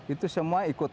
itu semua ikut